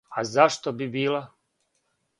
А зашто би била?